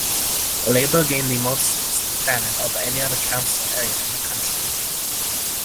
Labour gained the most seats in Thanet over any council area in the country.